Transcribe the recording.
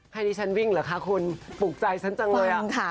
ให้ดิฉันวิ่งเหรอคะคุณปลูกใจฉันจังเลย